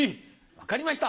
分かりました。